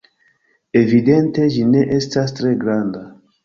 Evidente ĝi ne estas tre granda.